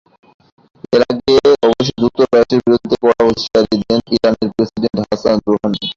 এর আগে অবশ্য যুক্তরাষ্ট্রের বিরুদ্ধে কড়া হুঁশিয়ারি দেন ইরানের প্রেসিডেন্ট হাসান রুহানি।